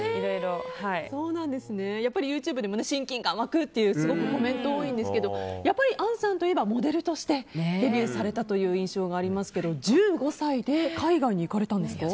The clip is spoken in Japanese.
やっぱりＹｏｕＴｕｂｅでも親近感湧くっていうすごくコメント多いんですけどやっぱり杏さんといえばモデルとしてデビューされたという印象がありますけど１５歳で海外に行かれたんですか？